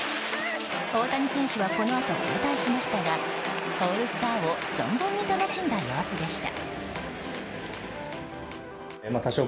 大谷選手はこのあと交代しましたがオールスターを存分に楽しんだ様子でした。